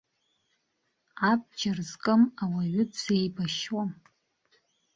Абџьар зкым ауаҩы дзеибашьуам.